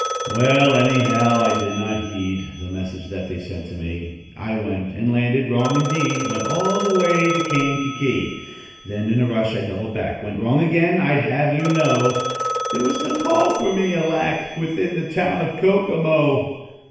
Well, anyhow, I did not heed The message that they sent to me. I went, and landed wrong indeed Went all the way to Kankakee. Then, in a rush, I doubled back Went wrong again, I'd have you know. There was no call for me, alack! Within the town of Kokomo.